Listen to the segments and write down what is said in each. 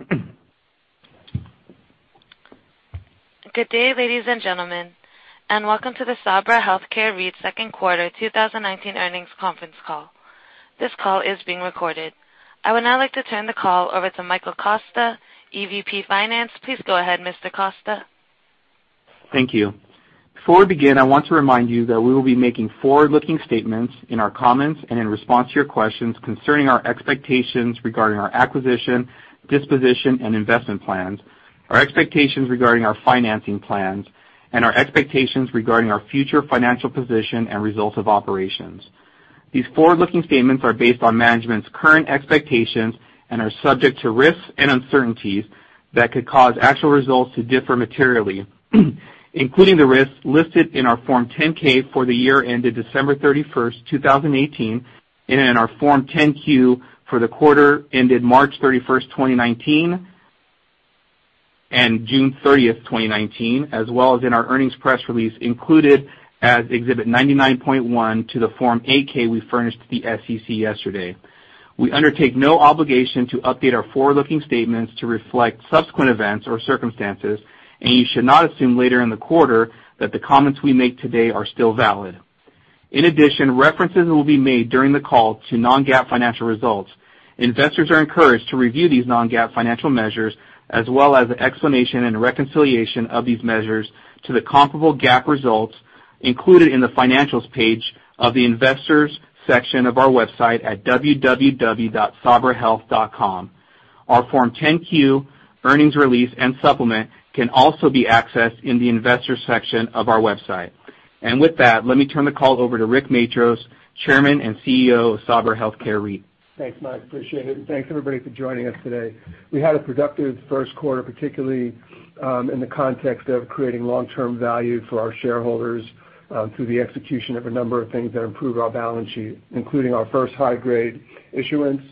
Good day, ladies and gentlemen, and welcome to the Sabra Health Care REIT Second Quarter 2019 Earnings Conference Call. This call is being recorded. I would now like to turn the call over to Michael Costa, EVP Finance. Please go ahead, Mr. Costa. Thank you. Before we begin, I want to remind you that we will be making forward-looking statements in our comments and in response to your questions concerning our expectations regarding our acquisition, disposition, and investment plans, our expectations regarding our financing plans, and our expectations regarding our future financial position and results of operations. These forward-looking statements are based on management's current expectations and are subject to risks and uncertainties that could cause actual results to differ materially, including the risks listed in our Form 10-K for the year ended December 31st, 2018, in our Form 10-Q for the quarter ended March 31st, 2019, and June 30th, 2019, as well as in our earnings press release included as Exhibit 99.1 to the Form 8-K we furnished the SEC yesterday. We undertake no obligation to update our forward-looking statements to reflect subsequent events or circumstances, and you should not assume later in the quarter that the comments we make today are still valid. In addition, references will be made during the call to non-GAAP financial results. Investors are encouraged to review these non-GAAP financial measures, as well as the explanation and reconciliation of these measures to the comparable GAAP results included in the Financials page of the Investors section of our website at www.sabrahealth.com. Our Form 10-Q, earnings release, and supplement can also be accessed in the Investors section of our website. With that, let me turn the call over to Rick Matros, Chairman and CEO of Sabra Health Care REIT. Thanks, Mike. Appreciate it. Thanks, everybody, for joining us today. We had a productive first quarter, particularly in the context of creating long-term value for our shareholders through the execution of a number of things that improved our balance sheet, including our first high-grade issuance.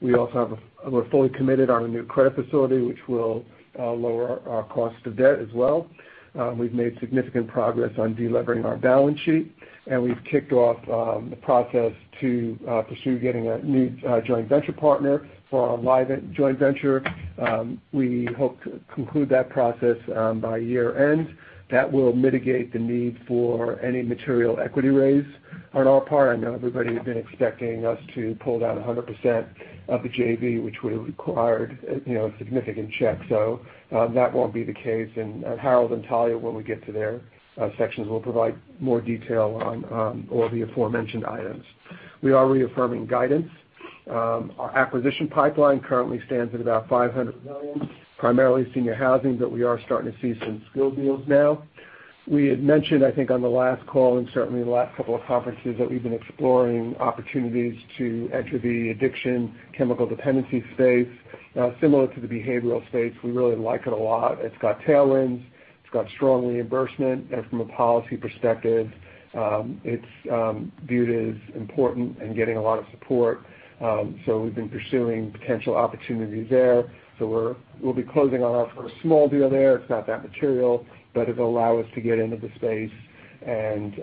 We're fully committed on a new credit facility, which will lower our cost of debt as well. We've made significant progress on de-levering our balance sheet, and we've kicked off the process to pursue getting a new joint venture partner for our Enlivant joint venture. We hope to conclude that process by year-end. That will mitigate the need for any material equity raise on our part. I know everybody has been expecting us to pull down 100% of the JV, which would require a significant check. That won't be the case. Harold and Talya, when we get to their sections, will provide more detail on all the aforementioned items. We are reaffirming guidance. Our acquisition pipeline currently stands at about $500 million, primarily senior housing, but we are starting to see some skilled deals now. We had mentioned, I think on the last call, and certainly the last couple of conferences, that we've been exploring opportunities to enter the addiction chemical dependency space. Similar to the behavioral space, we really like it a lot. It's got tailwinds, it's got strong reimbursement, and from a policy perspective, it's viewed as important and getting a lot of support. We've been pursuing potential opportunities there. We'll be closing on our first small deal there. It's not that material, but it'll allow us to get into the space and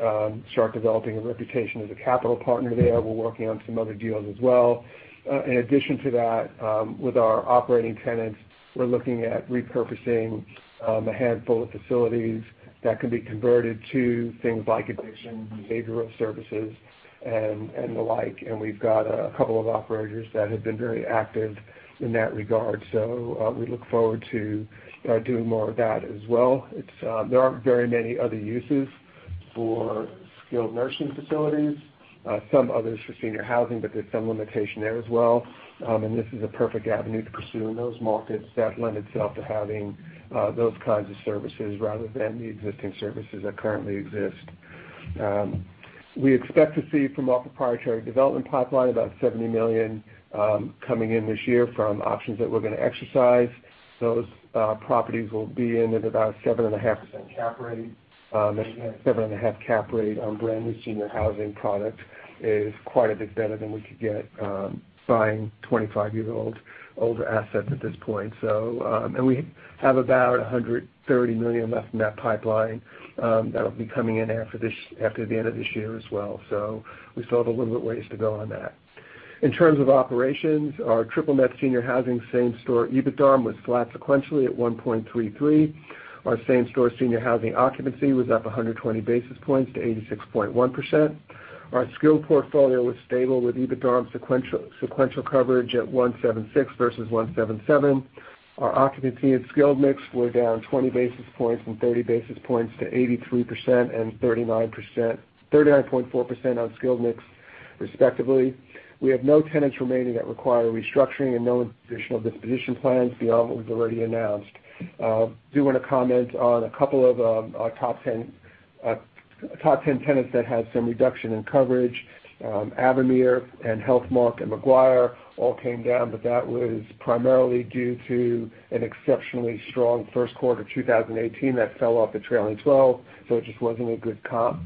start developing a reputation as a capital partner there. We're working on some other deals as well. In addition to that, with our operating tenants, we're looking at repurposing a handful of facilities that can be converted to things like addiction, behavioral services, and the like. We've got a couple of operators that have been very active in that regard. We look forward to doing more of that as well. There aren't very many other uses for skilled nursing facilities. Some others for senior housing, but there's some limitation there as well. This is a perfect avenue to pursue in those markets that lend itself to having those kinds of services rather than the existing services that currently exist. We expect to see from our proprietary development pipeline about $70 million coming in this year from options that we're going to exercise. Those properties will be in at about 7.5% cap rate. Again, 7.5 cap rate on brand new senior housing product is quite a bit better than we could get buying 25-year-old, older assets at this point. We have about $130 million left in that pipeline that'll be coming in after the end of this year as well. We still have a little bit of ways to go on that. In terms of operations, our triple net senior housing same-store EBITDA was flat sequentially at 1.33. Our same-store senior housing occupancy was up 120 basis points to 86.1%. Our skilled portfolio was stable with EBITDA sequential coverage at 1.76 versus 1.77. Our occupancy and skilled mix were down 20 basis points and 30 basis points to 83% and 39.4% on skilled mix, respectively. We have no tenants remaining that require restructuring and no additional disposition plans beyond what we've already announced. I do want to comment on a couple of our top 10 tenants that had some reduction in coverage. Avamere and Healthmark, and McGuire all came down, that was primarily due to an exceptionally strong first quarter 2018 that fell off a trailing 12, it just wasn't a good comp.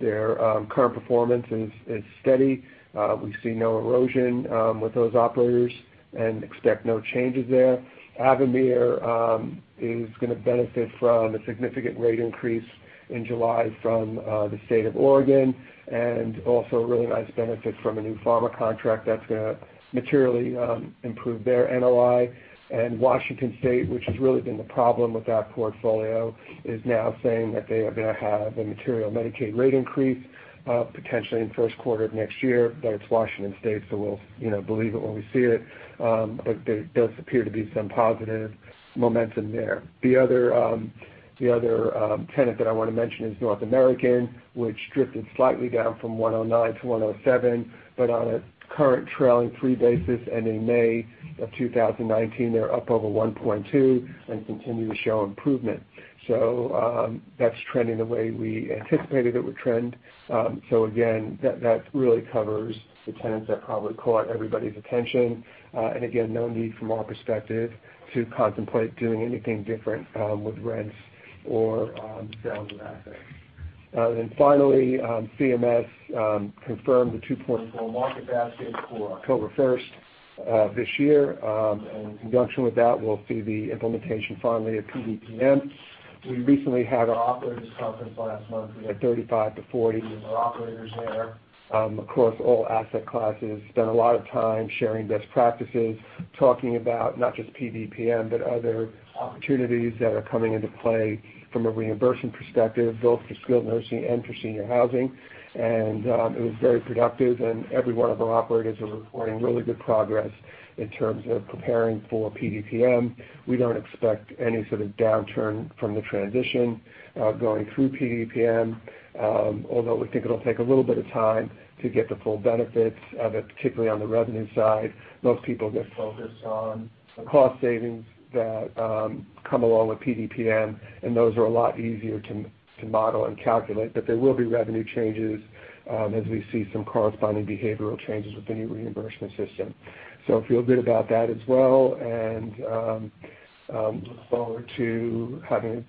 Their current performance is steady. We see no erosion with those operators and expect no changes there. Avamere is going to benefit from a significant rate increase in July from the state of Oregon and also a really nice benefit from a new pharma contract that's going to materially improve their NOI. Washington State, which has really been the problem with that portfolio, is now saying that they are going to have a material Medicaid rate increase, potentially in the first quarter of next year. It's Washington State, we'll believe it when we see it. There does appear to be some positive momentum there. The other tenant that I want to mention is North American, which drifted slightly down from 109 to 107, but on a current trailing three basis ending May of 2019, they're up over 1.2 and continue to show improvement. That's trending the way we anticipated it would trend. Again, no need from our perspective to contemplate doing anything different with rents or sales of assets. Finally, CMS confirmed the 2.4 market basket for October 1st this year. In conjunction with that, we'll see the implementation finally of PDPM. We recently had our Operator Conference last month. We had 35 to 40 of our operators there across all asset classes, spent a lot of time sharing best practices, talking about not just PDPM, but other opportunities that are coming into play from a reimbursement perspective, both for skilled nursing and for senior housing. It was very productive, and every one of our operators are reporting really good progress in terms of preparing for PDPM. We don't expect any sort of downturn from the transition going through PDPM, although we think it'll take a little bit of time to get the full benefits of it, particularly on the revenue side. Most people get focused on the cost savings that come along with PDPM, and those are a lot easier to model and calculate. There will be revenue changes as we see some corresponding behavioral changes with the new reimbursement system. I feel good about that as well, and look forward to having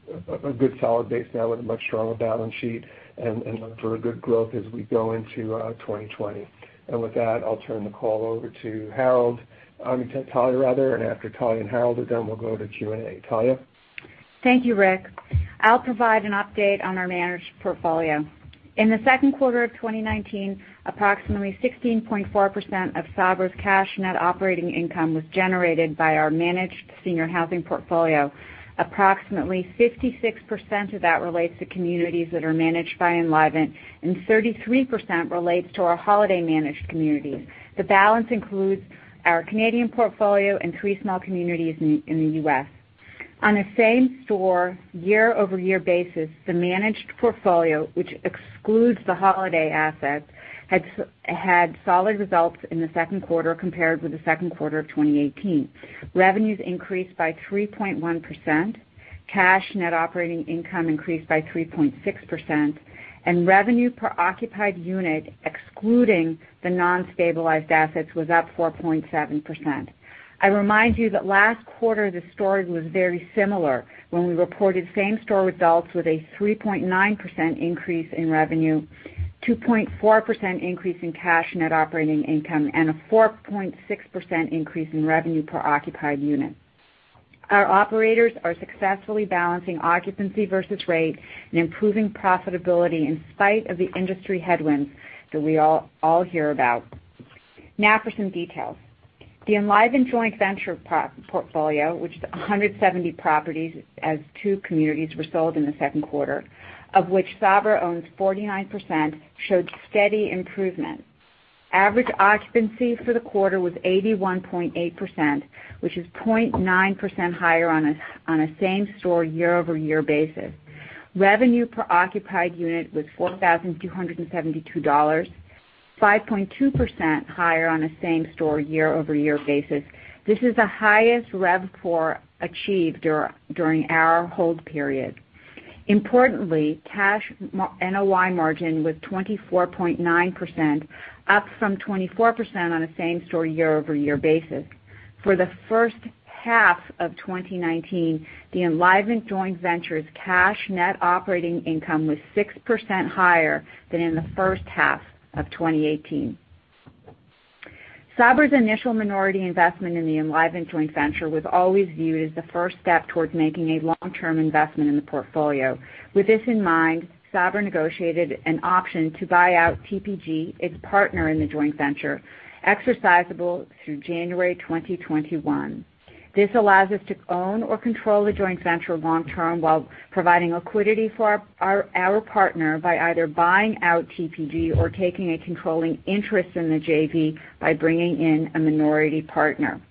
a good solid base now with a much stronger balance sheet and look for a good growth as we go into 2020. With that, I'll turn the call over to Harold. I mean Talya, rather. After Talya and Harold are done, we'll go to Q&A. Talya? Thank you, Rick. I'll provide an update on our managed portfolio. In the second quarter of 2019, approximately 16.4% of Sabra's cash net operating income was generated by our managed senior housing portfolio. Approximately 56% of that relates to communities that are managed by Enlivant, and 33% relates to our Holiday managed communities. The balance includes our Canadian portfolio and three small communities in the U.S. On a same-store, year-over-year basis, the managed portfolio, which excludes the Holiday assets, had solid results in the second quarter compared with the second quarter of 2018. Revenues increased by 3.1%, cash net operating income increased by 3.6%, and revenue per occupied unit, excluding the non-stabilized assets, was up 4.7%. I remind you that last quarter, the story was very similar when we reported same-store results with a 3.9% increase in revenue, 2.4% increase in cash net operating income, and a 4.6% increase in revenue per occupied unit. Our operators are successfully balancing occupancy versus rate and improving profitability in spite of the industry headwinds that we all hear about. For some details. The Enlivant joint venture portfolio, which is 170 properties as two communities were sold in the second quarter, of which Sabra owns 49%, showed steady improvement. Average occupancy for the quarter was 81.8%, which is 0.9% higher on a same-store, year-over-year basis. Revenue per occupied unit was $4,272, 5.2% higher on a same-store, year-over-year basis. This is the highest rev per achieved during our hold period. Importantly, cash NOI margin was 24.9%, up from 24% on a same-store, year-over-year basis. For the first half of 2019, the Enlivant joint venture's cash net operating income was 6% higher than in the first half of 2018. Sabra's initial minority investment in the Enlivant joint venture was always viewed as the first step towards making a long-term investment in the portfolio. With this in mind, Sabra negotiated an option to buy out TPG, its partner in the joint venture, exercisable through January 2021. This allows us to own or control the joint venture long term while providing liquidity for our partner by either buying out TPG or taking a controlling interest in the JV by bringing in a minority partner.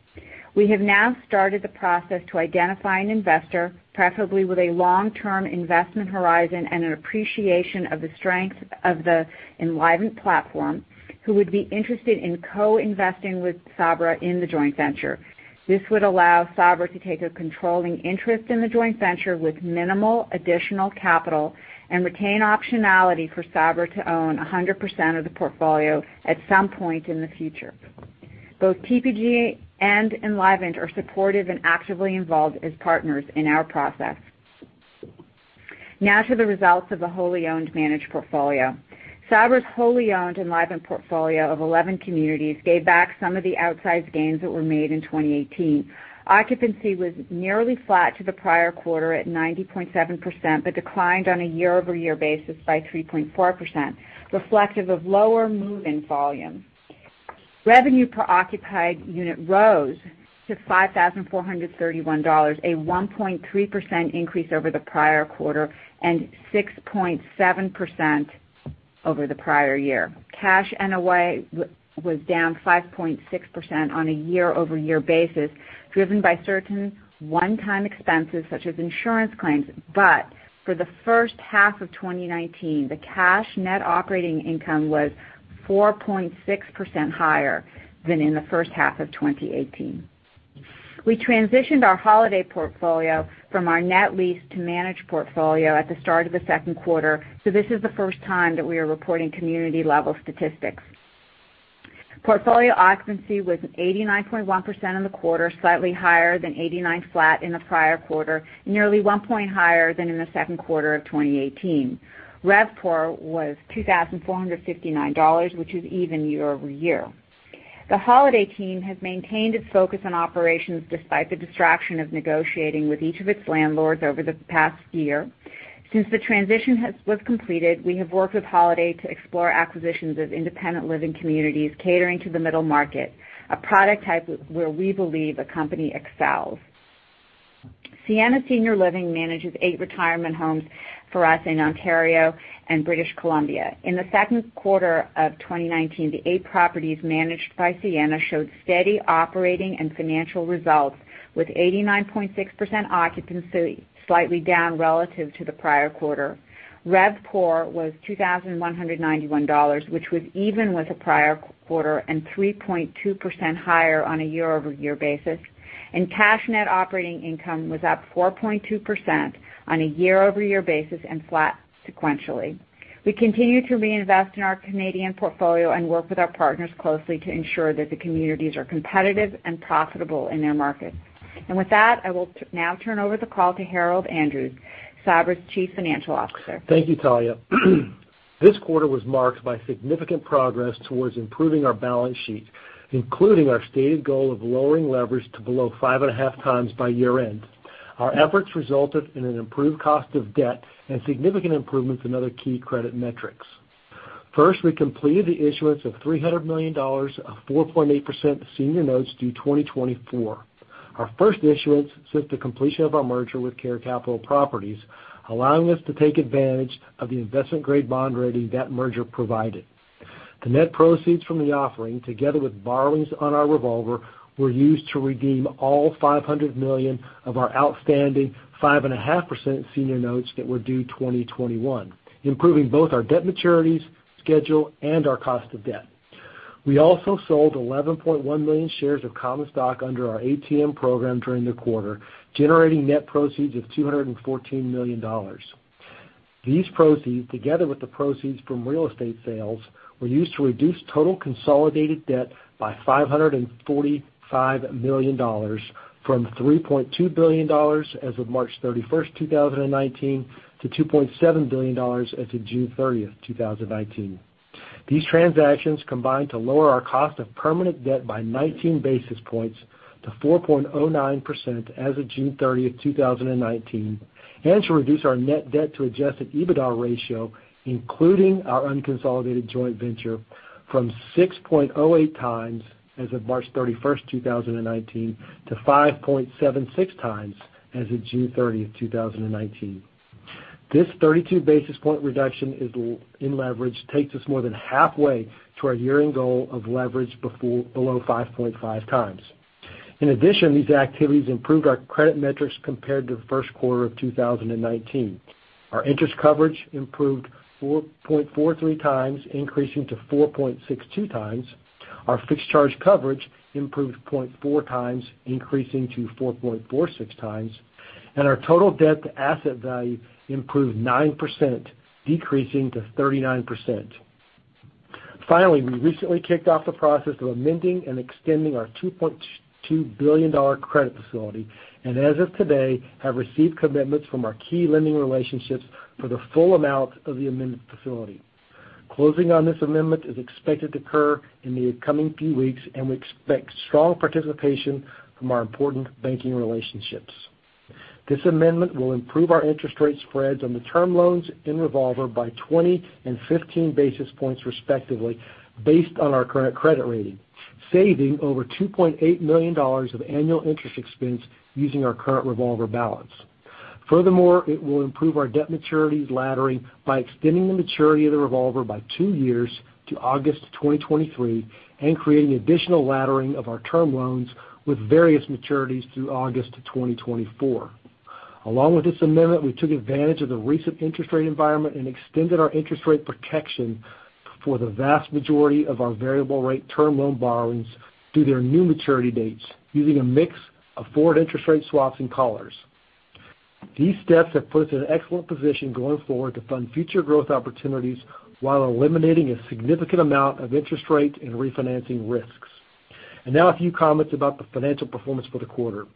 We have now started the process to identify an investor, preferably with a long-term investment horizon and an appreciation of the strength of the Enlivant platform, who would be interested in co-investing with Sabra in the joint venture. This would allow Sabra to take a controlling interest in the joint venture with minimal additional capital and retain optionality for Sabra to own 100% of the portfolio at some point in the future. Both TPG and Enlivant are supportive and actively involved as partners in our process. To the results of the wholly owned managed portfolio. Sabra's wholly owned Enlivant portfolio of 11 communities gave back some of the outsized gains that were made in 2018. Occupancy was nearly flat to the prior quarter at 90.7%, but declined on a year-over-year basis by 3.4%, reflective of lower move-in volume. Revenue per occupied unit rose to $5,431, a 1.3% increase over the prior quarter and 6.7% over the prior year. Cash NOI was down 5.6% on a year-over-year basis, driven by certain one-time expenses such as insurance claims. For the first half of 2019, the cash net operating income was 4.6% higher than in the first half of 2018. We transitioned our Holiday portfolio from our net lease to managed portfolio at the start of the second quarter. This is the first time that we are reporting community-level statistics. Portfolio occupancy was 89.1% in the quarter, slightly higher than 89 flat in the prior quarter, nearly one point higher than in the second quarter of 2018. RevPOR was $2,459, which is even year-over-year. The Holiday team has maintained its focus on operations despite the distraction of negotiating with each of its landlords over the past year. Since the transition was completed, we have worked with Holiday to explore acquisitions of independent living communities catering to the middle market, a product type where we believe a company excels. Sienna Senior Living manages eight retirement homes for us in Ontario and British Columbia. In the second quarter of 2019, the eight properties managed by Sienna showed steady operating and financial results with 89.6% occupancy, slightly down relative to the prior quarter. RevPOR was $2,191, which was even with the prior quarter and 3.2% higher on a year-over-year basis, and cash net operating income was up 4.2% on a year-over-year basis and flat sequentially. We continue to reinvest in our Canadian portfolio and work with our partners closely to ensure that the communities are competitive and profitable in their markets. With that, I will now turn over the call to Harold Andrews, Sabra's Chief Financial Officer. Thank you, Talya. This quarter was marked by significant progress towards improving our balance sheet, including our stated goal of lowering leverage to below 5.5 times by year-end. Our efforts resulted in an improved cost of debt and significant improvements in other key credit metrics. First, we completed the issuance of $300 million of 4.8% senior notes due 2024. Our first issuance since the completion of our merger with Care Capital Properties, Inc., allowing us to take advantage of the investment-grade bond rating that merger provided. The net proceeds from the offering, together with borrowings on our revolver, were used to redeem all $500 million of our outstanding 5.5% senior notes that were due 2021, improving both our debt maturities, schedule, and our cost of debt. We also sold 11.1 million shares of common stock under our ATM program during the quarter, generating net proceeds of $214 million. These proceeds, together with the proceeds from real estate sales, were used to reduce total consolidated debt by $545 million from $3.2 billion as of March 31st, 2019, to $2.7 billion as of June 30th, 2019. These transactions combined to lower our cost of permanent debt by 19 basis points to 4.09% as of June 30th, 2019, and to reduce our net debt to adjusted EBITDA ratio, including our unconsolidated joint venture, from 6.08 times as of March 31st, 2019, to 5.76 times as of June 30th, 2019. This 32 basis point reduction in leverage takes us more than halfway to our year-end goal of leverage below 5.5 times. In addition, these activities improved our credit metrics compared to the first quarter of 2019. Our interest coverage improved 4.43 times, increasing to 4.62 times. Our fixed charge coverage improved 0.4 times, increasing to 4.46 times, and our total debt to asset value improved 9%, decreasing to 39%. Finally, we recently kicked off the process of amending and extending our $2.2 billion credit facility, and as of today, have received commitments from our key lending relationships for the full amount of the amendment facility. Closing on this amendment is expected to occur in the coming few weeks, and we expect strong participation from our important banking relationships. This amendment will improve our interest rate spreads on the term loans in revolver by 20 and 15 basis points respectively based on our current credit rating, saving over $2.8 million of annual interest expense using our current revolver balance. Furthermore, it will improve our debt maturity laddering by extending the maturity of the revolver by two years to August 2023 and creating additional laddering of our term loans with various maturities through August 2024. Along with this amendment, we took advantage of the recent interest rate environment and extended our interest rate protection for the vast majority of our variable rate term loan borrowings through their new maturity dates using a mix of forward interest rate swaps and collars. These steps have put us in an excellent position going forward to fund future growth opportunities while eliminating a significant amount of interest rate and refinancing risks. Now a few comments about the financial performance for the quarter.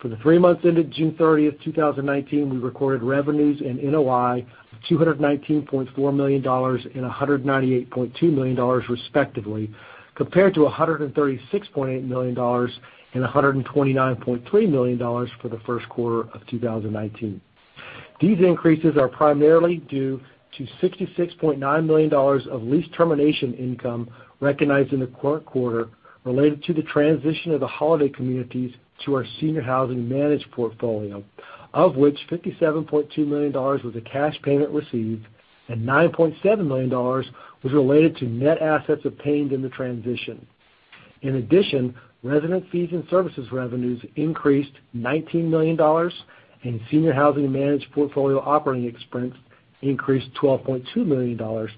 For the three months ended June 30, 2019, we recorded revenues and NOI of $219.4 million and $198.2 million respectively, compared to $136.8 million and $129.3 million for the first quarter of 2019. These increases are primarily due to $66.9 million of lease termination income recognized in the current quarter related to the transition of the Holiday communities to our senior housing managed portfolio, of which $57.2 million was a cash payment received and $9.7 million was related to net assets obtained in the transition. In addition, resident fees and services revenues increased $19 million, and senior housing managed portfolio operating expense increased $12.2 million,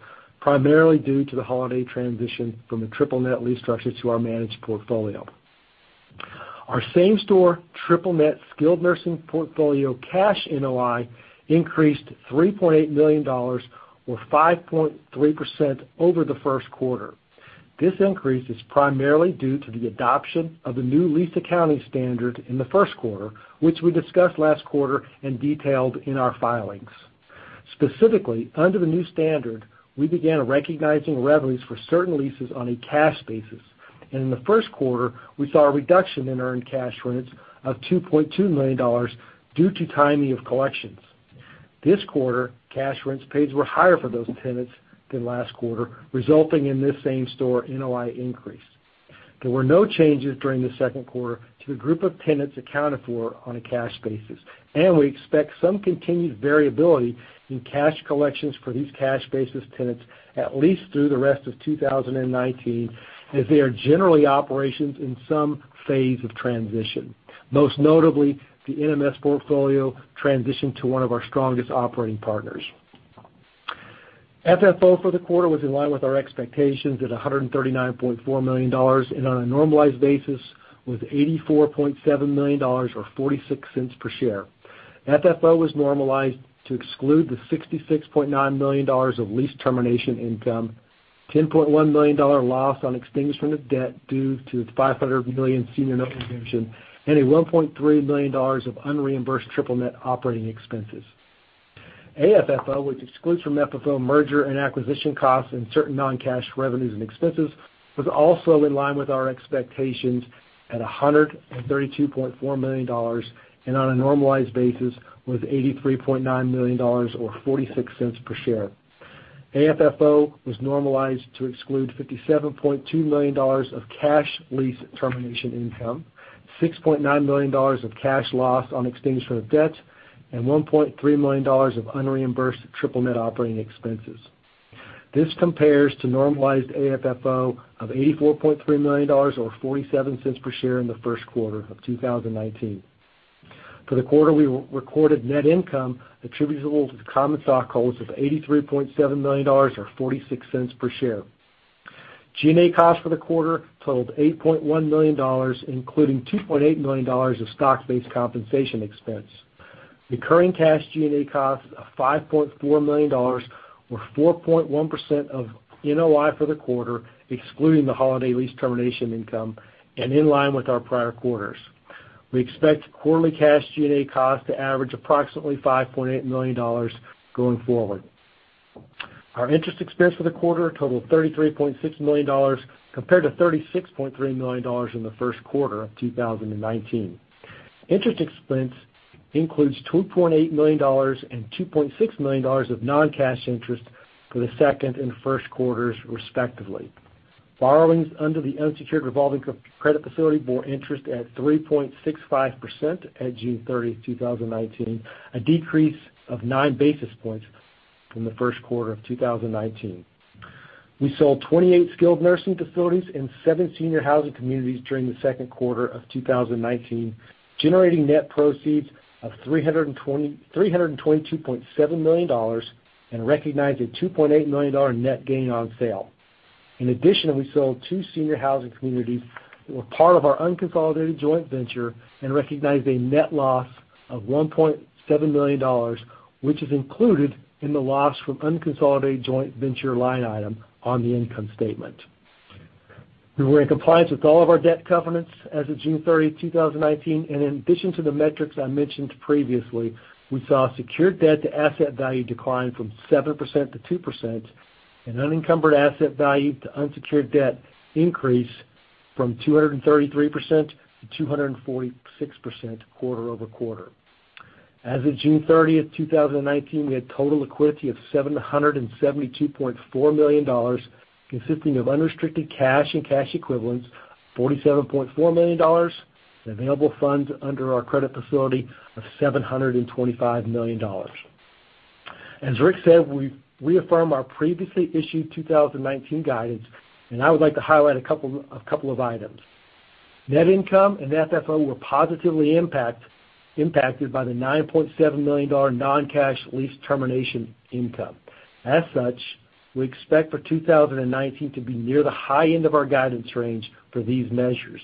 primarily due to the Holiday transition from a triple net lease structure to our managed portfolio. Our same-store triple net skilled nursing portfolio cash NOI increased $3.8 million or 5.3% over the first quarter. This increase is primarily due to the adoption of the new lease accounting standard in the first quarter, which we discussed last quarter and detailed in our filings. Specifically, under the new standard, we began recognizing revenues for certain leases on a cash basis, and in the first quarter, we saw a reduction in earned cash rents of $2.2 million due to timing of collections. This quarter, cash rents paid were higher for those tenants than last quarter, resulting in this same-store NOI increase. There were no changes during the second quarter to the group of tenants accounted for on a cash basis, and we expect some continued variability in cash collections for these cash-basis tenants at least through the rest of 2019, as they are generally operations in some phase of transition. Most notably, the NMS portfolio transitioned to one of our strongest operating partners. FFO for the quarter was in line with our expectations at $139.4 million and on a normalized basis was $84.7 million or $0.46 per share. FFO was normalized to exclude the $66.9 million of lease termination income, $10.1 million loss on extinguishment of debt due to the $500 million senior note redemption, and a $1.3 million of unreimbursed triple net operating expenses. AFFO, which excludes from FFO merger and acquisition costs and certain non-cash revenues and expenses, was also in line with our expectations at $132.4 million and on a normalized basis was $83.9 million or $0.46 per share. AFFO was normalized to exclude $57.2 million of cash lease termination income, $6.9 million of cash loss on extinguishment of debt, and $1.3 million of unreimbursed triple net operating expenses. This compares to normalized AFFO of $84.3 million or $0.47 per share in the first quarter of 2019. For the quarter, we recorded net income attributable to the common stockholders of $83.7 million or $0.46 per share. G&A costs for the quarter totaled $8.1 million, including $2.8 million of stock-based compensation expense. Recurring cash G&A costs of $5.4 million or 4.1% of NOI for the quarter, excluding the Holiday lease termination income and in line with our prior quarters. We expect quarterly cash G&A costs to average approximately $5.8 million going forward. Our interest expense for the quarter totaled $33.6 million compared to $36.3 million in the first quarter of 2019. Interest expense includes $2.8 million and $2.6 million of non-cash interest for the second and first quarters respectively. Borrowings under the unsecured revolving credit facility bore interest at 3.65% at June 30, 2019, a decrease of nine basis points from the first quarter of 2019. We sold 28 skilled nursing facilities and seven senior housing communities during the second quarter of 2019, generating net proceeds of $322.7 million and recognized a $2.8 million net gain on sale. In addition, we sold two senior housing communities that were part of our unconsolidated joint venture and recognized a net loss of $1.7 million, which is included in the loss from unconsolidated joint venture line item on the income statement. We were in compliance with all of our debt covenants as of June 30, 2019, and in addition to the metrics I mentioned previously, we saw secured debt to asset value decline from 7% to 2% and unencumbered asset value to unsecured debt increase from 233% to 246% quarter-over-quarter. As of June 30, 2019, we had total liquidity of $772.4 million, consisting of unrestricted cash and cash equivalents, $47.4 million, and available funds under our credit facility of $725 million. As Rick said, we reaffirm our previously issued 2019 guidance. I would like to highlight a couple of items. Net income and AFFO were positively impacted by the $9.7 million non-cash lease termination income. As such, we expect for 2019 to be near the high end of our guidance range for these measures.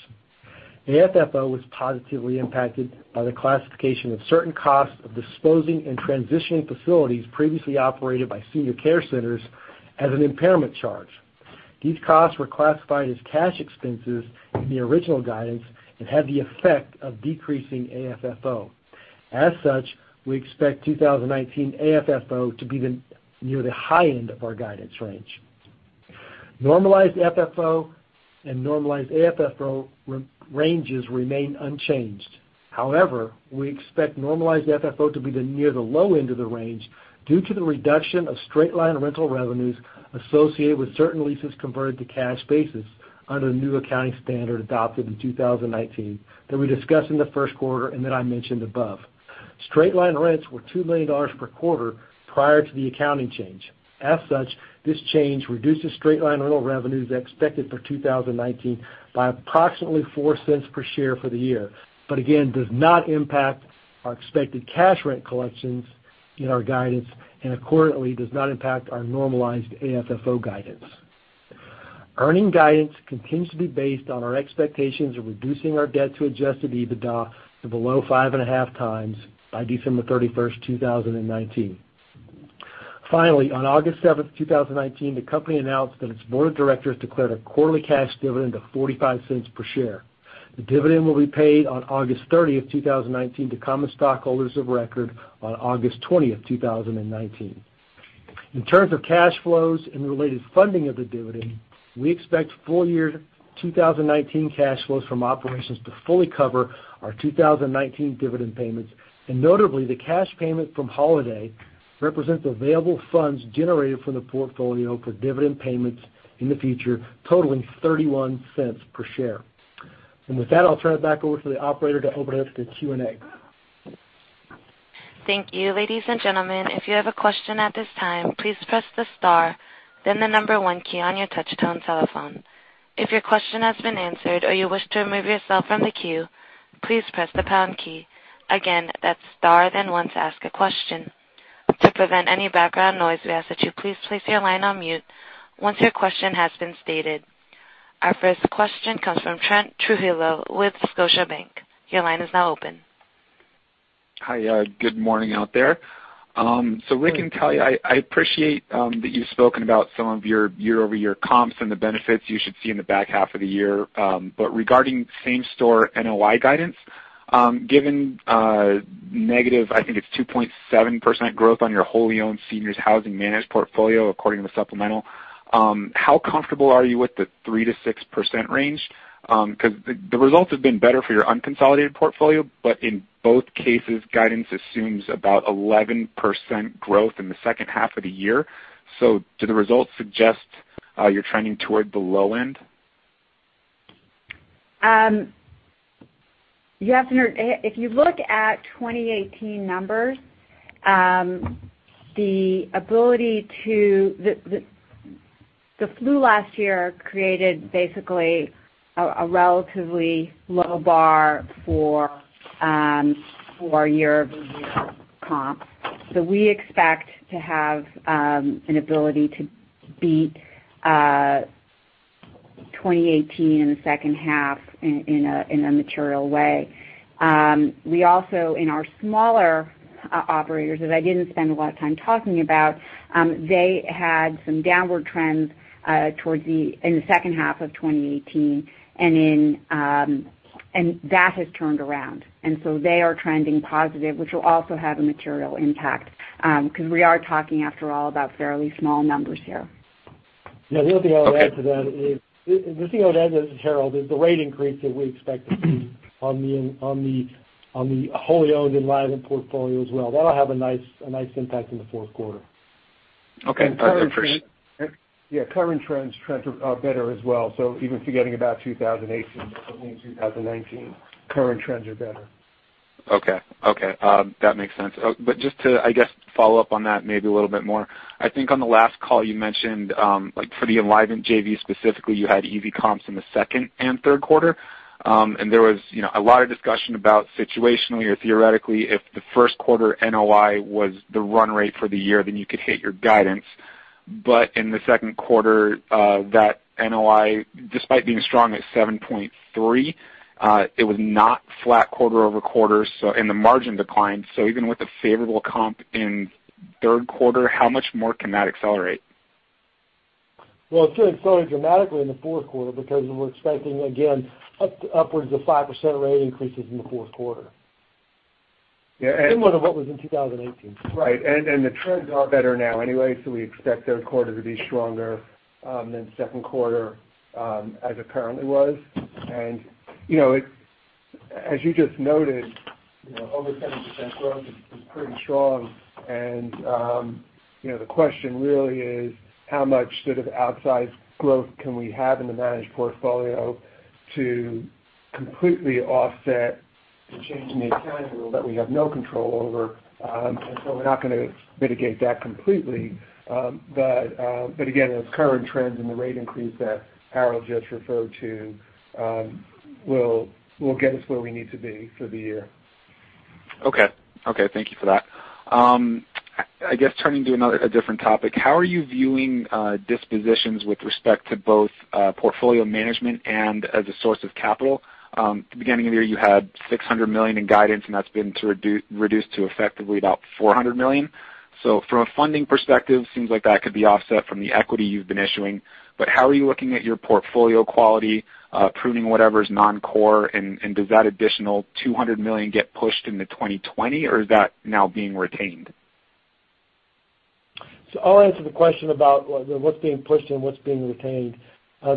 AFFO was positively impacted by the classification of certain costs of disposing and transitioning facilities previously operated by Senior Care Centers as an impairment charge. These costs were classified as cash expenses in the original guidance and had the effect of decreasing AFFO. As such, we expect 2019 AFFO to be near the high end of our guidance range. Normalized FFO and normalized AFFO ranges remain unchanged. However, we expect normalized FFO to be near the low end of the range due to the reduction of straight-line rental revenues associated with certain leases converted to cash basis under the new accounting standard adopted in 2019 that we discussed in the first quarter and that I mentioned above. Straight-line rents were $2 million per quarter prior to the accounting change. As such, this change reduces straight-line rental revenues expected for 2019 by approximately $0.04 per share for the year, but again, does not impact our expected cash rent collections in our guidance and accordingly does not impact our normalized AFFO guidance. Earnings guidance continues to be based on our expectations of reducing our debt to adjusted EBITDA to below 5.5 times by December 31, 2019. Finally, on August 7, 2019, the company announced that its Board of Directors declared a quarterly cash dividend of $0.45 per share. The dividend will be paid on August 30, 2019 to common stockholders of record on August 20, 2019. In terms of cash flows and the related funding of the dividend, we expect full year 2019 cash flows from operations to fully cover our 2019 dividend payments. Notably, the cash payment from Holiday represents available funds generated from the portfolio for dividend payments in the future, totaling $0.31 per share. With that, I'll turn it back over to the operator to open it up to Q&A. Thank you. Ladies and gentlemen, if you have a question at this time, please press the star, then the number one key on your touch-tone telephone. If your question has been answered or you wish to remove yourself from the queue, please press the pound key. Again, that's star then one to ask a question. To prevent any background noise, we ask that you please place your line on mute once your question has been stated. Our first question comes from Trent Trujillo with Scotiabank. Your line is now open. Hi. Good morning out there. Rick and Talya, I appreciate that you've spoken about some of your year-over-year comps and the benefits you should see in the back half of the year. Regarding same-store NOI guidance, given negative, I think it's 2.7% growth on your wholly owned seniors housing managed portfolio according to the supplemental, how comfortable are you with the 3%-6% range? The results have been better for your unconsolidated portfolio, but in both cases, guidance assumes about 11% growth in the second half of the year. Do the results suggest you're trending toward the low end? Yes. If you look at 2018 numbers, the flu last year created basically a relatively low bar for year-over-year comp. We expect to have an ability to beat 2018 in the second half in a material way. We also, in our smaller operators, that I didn't spend a lot of time talking about, they had some downward trends in the second half of 2018, and that has turned around. They are trending positive, which will also have a material impact, because we are talking, after all, about fairly small numbers here. Yeah. The other thing I would add to that is, Harold, is the rate increase that we expected on the wholly owned Enlivant portfolio as well. That'll have a nice impact in the fourth quarter. Okay. Yeah, current trends are better as well. Even forgetting about 2018, certainly in 2019, current trends are better. Okay. That makes sense. Just to, I guess, follow up on that maybe a little bit more, I think on the last call you mentioned, like for the Enlivant JV specifically, you had easy comps in the second and third quarter. There was a lot of discussion about situationally or theoretically, if the first quarter NOI was the run rate for the year, then you could hit your guidance. In the second quarter, that NOI, despite being strong at $7.3, it was not flat quarter-over-quarter, and the margin declined. Even with the favorable comp in third quarter, how much more can that accelerate? Well, it's going to accelerate dramatically in the fourth quarter because we're expecting, again, upwards of 5% rate increases in the fourth quarter. Yeah. Similar to what was in 2018. Right. The trends are better now anyway, so we expect third quarter to be stronger than second quarter, as it currently was. As you just noted, over 7% growth is pretty strong, and the question really is how much sort of outsized growth can we have in the managed portfolio to completely offset To change an accounting rule that we have no control over. We're not going to mitigate that completely. Again, those current trends and the rate increase that Harold just referred to will get us where we need to be for the year. Okay. Thank you for that. I guess turning to a different topic, how are you viewing dispositions with respect to both portfolio management and as a source of capital? At the beginning of the year, you had $600 million in guidance, and that's been reduced to effectively about $400 million. From a funding perspective, seems like that could be offset from the equity you've been issuing. How are you looking at your portfolio quality, pruning whatever's non-core, and does that additional $200 million get pushed into 2020, or is that now being retained? I'll answer the question about what's being pushed and what's being retained.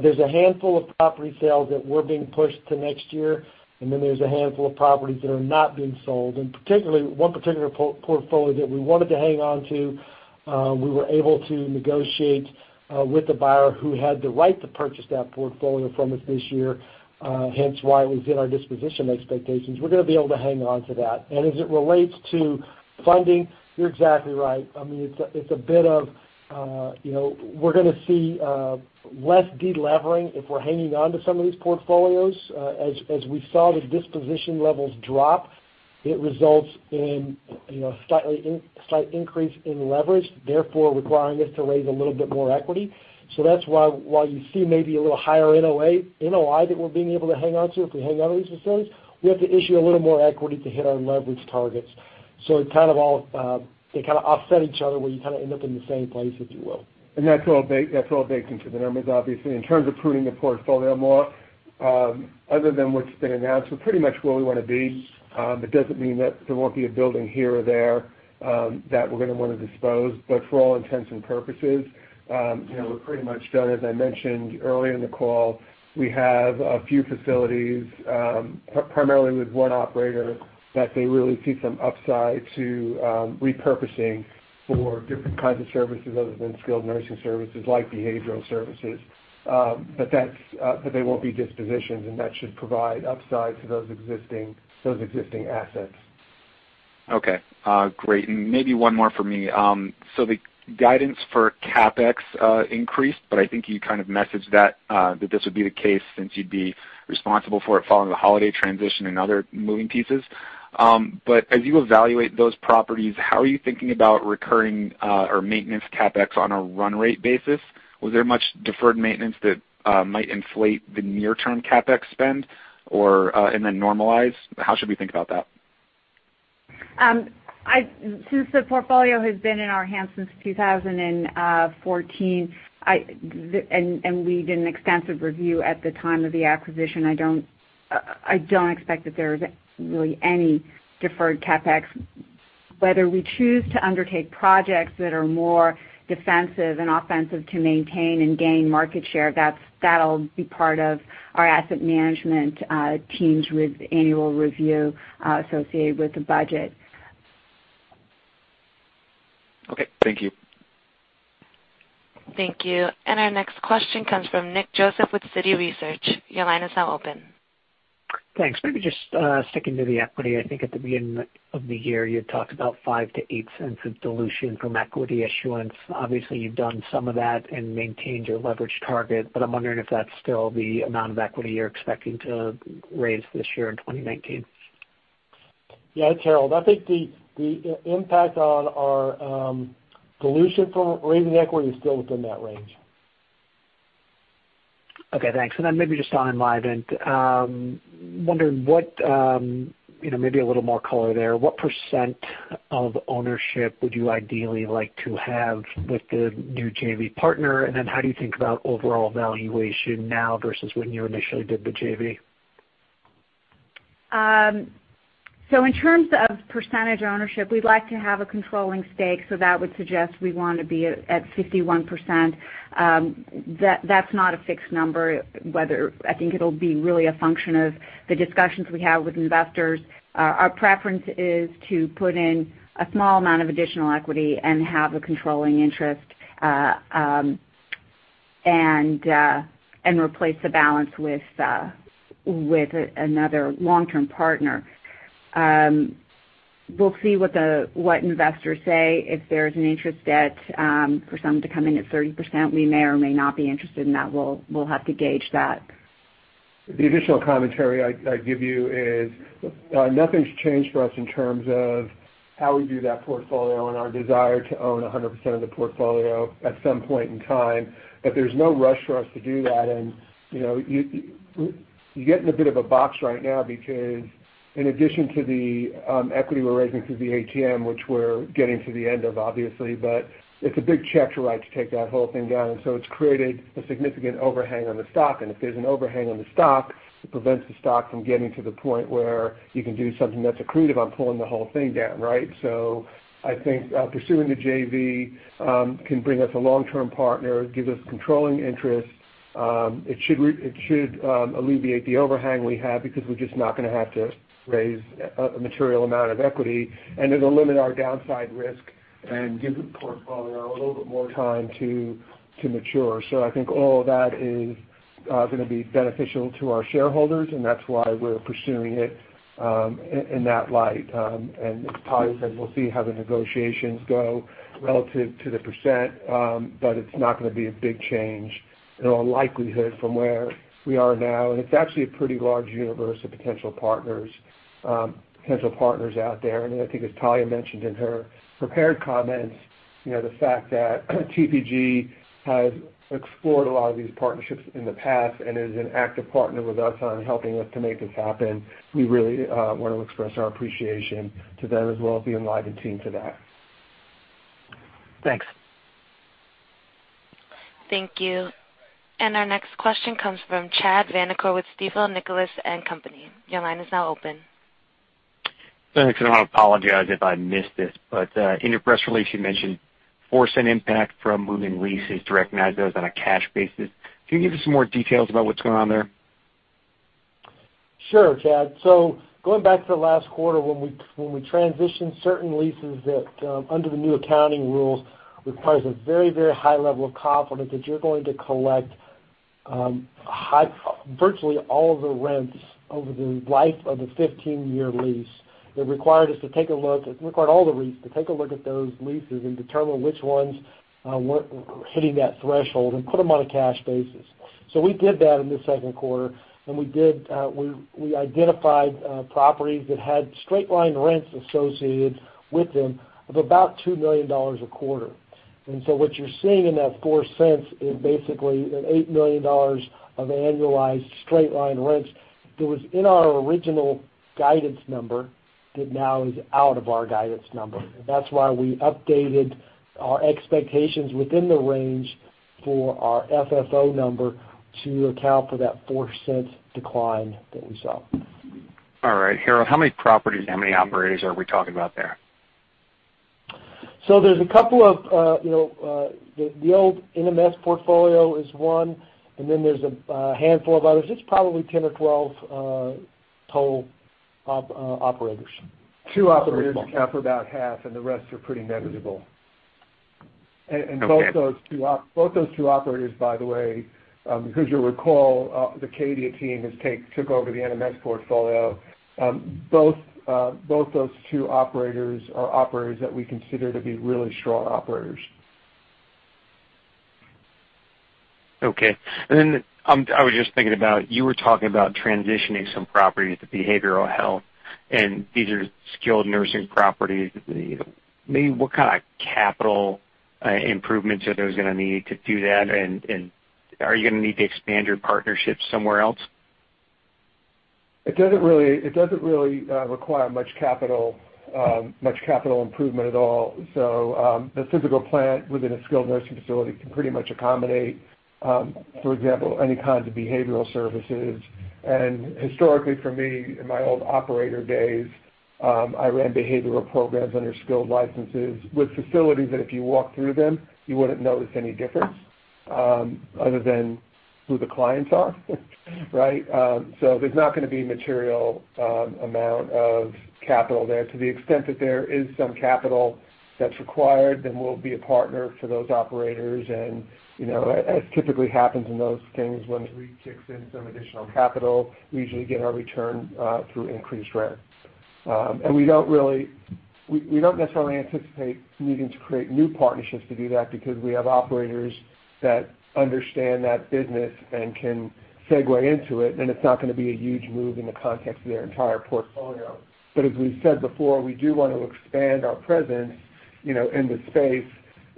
There's a handful of property sales that were being pushed to next year. There's a handful of properties that are not being sold. One particular portfolio that we wanted to hang on to, we were able to negotiate with the buyer who had the right to purchase that portfolio from us this year, hence why it was in our disposition expectations. We're going to be able to hang on to that. As it relates to funding, you're exactly right. We're going to see less de-levering if we're hanging on to some of these portfolios. As we saw the disposition levels drop, it results in a slight increase in leverage, therefore requiring us to raise a little bit more equity. That's why, while you see maybe a little higher NOI that we're being able to hang on to, if we hang on to these facilities, we have to issue a little more equity to hit our leverage targets. They kind of offset each other, where you kind of end up in the same place, if you will. That's all baked into the numbers, obviously. In terms of pruning the portfolio more, other than what's been announced, we're pretty much where we want to be. That doesn't mean that there won't be a building here or there that we're going to want to dispose, but for all intents and purposes, we're pretty much done. As I mentioned early in the call, we have a few facilities, primarily with one operator, that they really see some upside to repurposing for different kinds of services other than skilled nursing services, like behavioral services. They won't be dispositioned, and that should provide upside to those existing assets. Okay, great. Maybe one more for me. The guidance for CapEx increased, but I think you kind of messaged that this would be the case since you'd be responsible for it following the Holiday transition and other moving pieces. As you evaluate those properties, how are you thinking about recurring or maintenance CapEx on a run rate basis? Was there much deferred maintenance that might inflate the near-term CapEx spend and then normalize? How should we think about that? Since the portfolio has been in our hands since 2014, and we did an extensive review at the time of the acquisition, I don't expect that there's really any deferred CapEx. Whether we choose to undertake projects that are more defensive than offensive to maintain and gain market share, that'll be part of our asset management teams with annual review associated with the budget. Okay. Thank you. Thank you. Our next question comes from Nick Joseph with Citi Research. Your line is now open. Thanks. Maybe just sticking to the equity, I think at the beginning of the year, you had talked about $0.05-$0.08 of dilution from equity issuance. Obviously, you've done some of that and maintained your leverage target, but I'm wondering if that's still the amount of equity you're expecting to raise this year in 2019. Yeah, Harold, I think the impact on our dilution from raising equity is still within that range. Okay, thanks. Maybe just on Enlivant, wondering what, maybe a little more color there, what % of ownership would you ideally like to have with the new JV partner? How do you think about overall valuation now versus when you initially did the JV? In terms of percentage ownership, we'd like to have a controlling stake, so that would suggest we want to be at 51%. That's not a fixed number. I think it'll be really a function of the discussions we have with investors. Our preference is to put in a small amount of additional equity and have a controlling interest and replace the balance with another long-term partner. We'll see what investors say. If there's an interest for some to come in at 30%, we may or may not be interested in that. We'll have to gauge that. The additional commentary I'd give you is, nothing's changed for us in terms of how we view that portfolio and our desire to own 100% of the portfolio at some point in time. There's no rush for us to do that, and you're getting a bit of a box right now because in addition to the equity we're raising through the ATM, which we're getting to the end of, obviously, but it's a big check to write to take that whole thing down. It's created a significant overhang on the stock, and if there's an overhang on the stock, it prevents the stock from getting to the point where you can do something that's accretive on pulling the whole thing down, right? I think pursuing the JV can bring us a long-term partner, give us controlling interest. It should alleviate the overhang we have because we're just not going to have to raise a material amount of equity, and it'll limit our downside risk and give the portfolio a little bit more time to mature. I think all of that is going to be beneficial to our shareholders, and that's why we're pursuing it in that light. As Talya said, we'll see how the negotiations go relative to the %, but it's not going to be a big change in all likelihood from where we are now. It's actually a pretty large universe of potential partners out there. I think as Talya mentioned in her prepared comments, the fact that TPG has explored a lot of these partnerships in the past and is an active partner with us on helping us to make this happen, we really want to express our appreciation to them as well as the Enlivant team for that. Thanks. Thank you. Our next question comes from Chad Vanacore with Stifel, Nicolaus & Company. Your line is now open. Thanks. I apologize if I missed this, but in your press release, you mentioned a $0.04 impact from moving leases to recognize those on a cash basis. Can you give us some more details about what's going on there? Sure, Chad. Going back to the last quarter when we transitioned certain leases that under the new accounting rules requires a very high level of confidence that you're going to collect virtually all of the rents over the life of a 15-year lease. It required all the REITs to take a look at those leases and determine which ones weren't hitting that threshold and put them on a cash basis. We did that in the second quarter, and we identified properties that had straight-line rents associated with them of about $2 million a quarter. What you're seeing in that $0.04 is basically an $8 million of annualized straight-line rents that was in our original guidance number, that now is out of our guidance number. That's why we updated our expectations within the range for our FFO number to account for that $0.04 decline that we saw. All right. Harold, how many properties, how many operators are we talking about there? There's a couple. The old NMS portfolio is one, and then there's a handful of others. It's probably 10 or 12 total operators. Two operators account for about half, and the rest are pretty negligible. Okay. Both those two operators, by the way, because you'll recall, the Cadia team took over the NMS portfolio. Both those two operators are operators that we consider to be really strong operators. Okay. I was just thinking about, you were talking about transitioning some properties to behavioral health, and these are skilled nursing properties. Maybe what kind of capital improvements are those going to need to do that? Are you going to need to expand your partnerships somewhere else? It doesn't really require much capital improvement at all. The physical plant within a skilled nursing facility can pretty much accommodate, for example, any kinds of behavioral services. Historically, for me, in my old operator days, I ran behavioral programs under skilled licenses with facilities that if you walk through them, you wouldn't notice any difference other than who the clients are. Right? There's not going to be a material amount of capital there. To the extent that there is some capital that's required, then we'll be a partner for those operators. As typically happens in those things, once REIT kicks in some additional capital, we usually get our return through increased rents. We don't necessarily anticipate needing to create new partnerships to do that because we have operators that understand that business and can segue into it, and it's not going to be a huge move in the context of their entire portfolio. As we've said before, we do want to expand our presence in the space.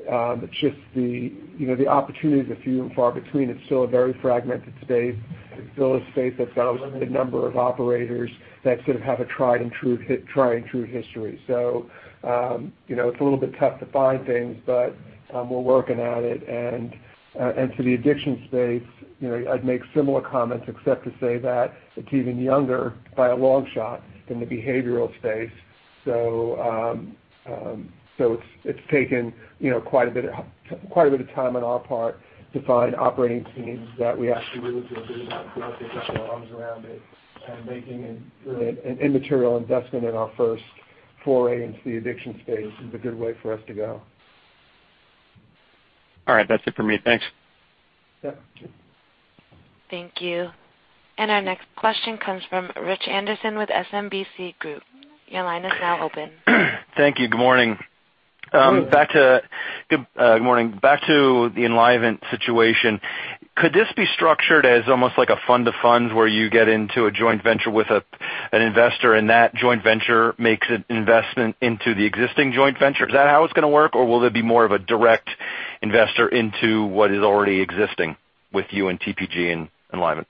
It's just the opportunity is a few and far between. It's still a very fragmented space. It's still a space that's got a limited number of operators that sort of have a tried and true history. It's a little bit tough to find things, but we're working at it. To the addiction space, I'd make similar comments, except to say that it's even younger by a long shot than the behavioral space. It's taken quite a bit of time on our part to find operating teams that we actually really feel good about going and wrapping our arms around it and making a really an immaterial investment in our first foray into the addiction space is a good way for us to go. All right. That's it for me. Thanks. Yeah. Thank you. Our next question comes from Rich Anderson with SMBC Group. Your line is now open. Thank you. Good morning. Good morning. Back to the Enlivant situation. Could this be structured as almost like a fund to funds, where you get into a joint venture with an investor and that joint venture makes an investment into the existing joint venture? Is that how it's going to work, or will it be more of a direct investor into what is already existing with you and TPG and Enlivant?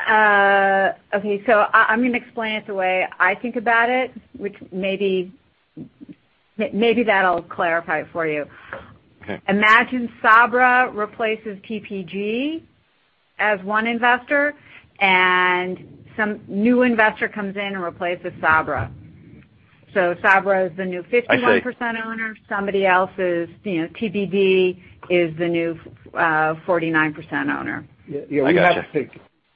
Okay, I'm going to explain it the way I think about it, which maybe that'll clarify it for you. Okay. Imagine Sabra replaces TPG as one investor, and some new investor comes in and replaces Sabra. Sabra is the new 51% owner. I see. Somebody else, TBD, is the new 49% owner. Yeah. I gotcha.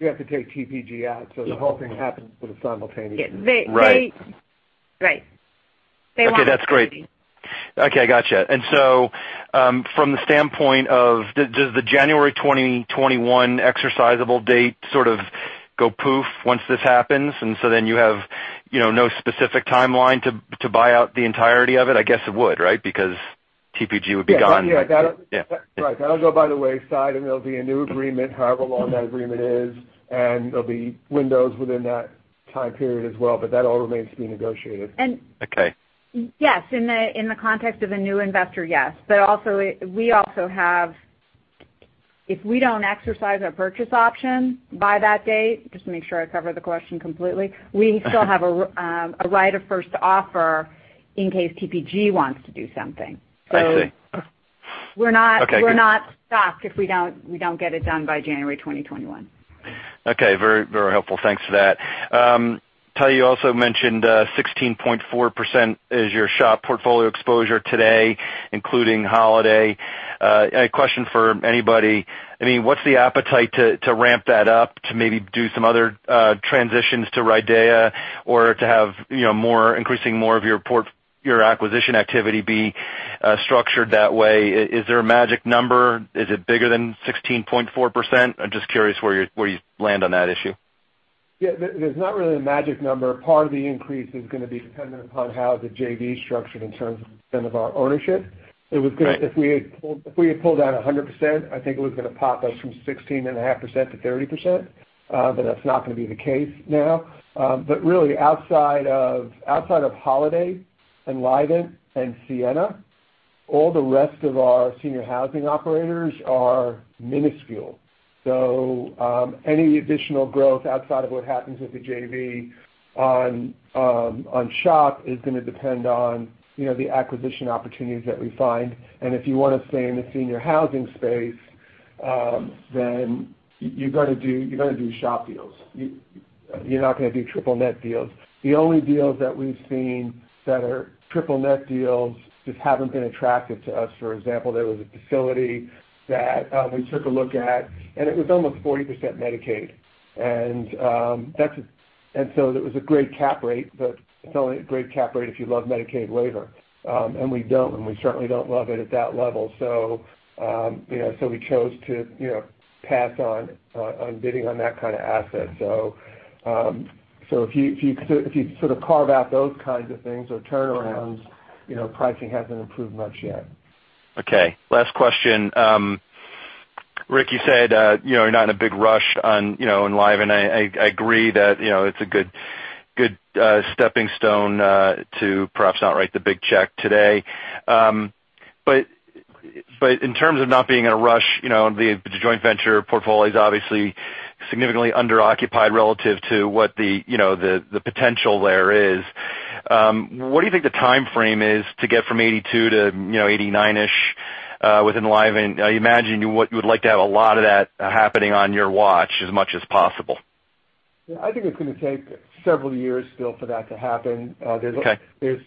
You have to take TPG out. The whole thing happens sort of simultaneously. Yes. Right. Okay, that's great. Okay, gotcha. From the standpoint of, does the January 2021 exercisable date sort of go poof once this happens? You have no specific timeline to buy out the entirety of it? I guess it would, right? Because TPG would be gone. That'll go by the wayside, and there'll be a new agreement, however long that agreement is, and there'll be windows within that time period as well, but that all remains to be negotiated. Okay. Yes. In the context of a new investor, yes. We also have If we don't exercise our purchase option by that date, just to make sure I cover the question completely, we still have a right of first offer in case TPG wants to do something. I see. We're not stopped if we don't get it done by January 2021. Okay. Very helpful. Thanks for that. Talya, you also mentioned 16.4% is your SHOP portfolio exposure today, including Holiday. A question for anybody. What's the appetite to ramp that up to maybe do some other transitions to RIDEA or to have increasing more of your acquisition activity be structured that way? Is there a magic number? Is it bigger than 16.4%? I'm just curious where you land on that issue. Yeah. There's not really a magic number. Part of the increase is going to be dependent upon how the JV is structured in terms of our ownership. Right. If we had pulled out 100%, I think it was going to pop us from 16.5% to 30%, but that's not going to be the case now. Really, outside of Holiday, Enlivant, and Sienna, all the rest of our senior housing operators are minuscule. Any additional growth outside of what happens with the JV on SHOP is going to depend on the acquisition opportunities that we find. If you want to stay in the senior housing space, then you're going to do SHOP deals. You're not going to do triple net deals. The only deals that we've seen that are triple net deals just haven't been attractive to us. For example, there was a facility that we took a look at, and it was almost 40% Medicaid. It was a great cap rate, but it's only a great cap rate if you love Medicaid labor. We don't, and we certainly don't love it at that level. We chose to pass on bidding on that kind of asset. If you sort of carve out those kinds of things or turnarounds, pricing hasn't improved much yet. Okay. Last question. Rick, you said you're not in a big rush on Enlivant. I agree that it's a good stepping stone to perhaps not write the big check today. In terms of not being in a rush, the joint venture portfolio is obviously significantly under-occupied relative to what the potential there is. What do you think the timeframe is to get from 82 to 89-ish with Enlivant? I imagine you would like to have a lot of that happening on your watch as much as possible. Yeah, I think it's going to take several years still for that to happen. Okay. There's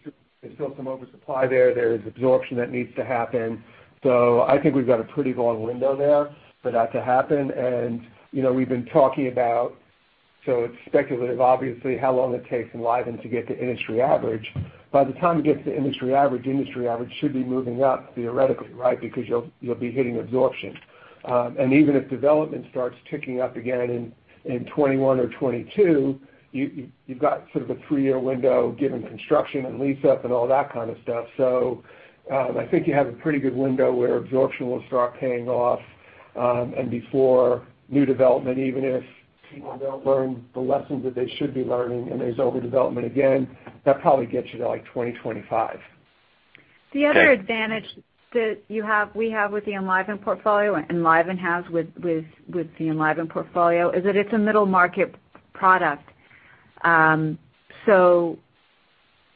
still some oversupply there. There's absorption that needs to happen. I think we've got a pretty long window there for that to happen. It's speculative, obviously, how long it takes Enlivant to get to industry average. By the time it gets to industry average, industry average should be moving up theoretically, right? You'll be hitting absorption. Even if development starts ticking up again in 2021 or 2022, you've got sort of a three-year window given construction and lease-up, and all that kind of stuff. I think you have a pretty good window where absorption will start paying off, and before new development, even if people don't learn the lessons that they should be learning and there's overdevelopment again, that probably gets you to like 2025. Okay. The other advantage that Enlivant has with the Enlivant portfolio is that it's a middle-market product.